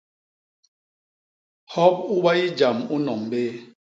Hop u bayi jam u nnom béé.